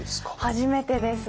初めてです。